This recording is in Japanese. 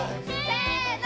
せの。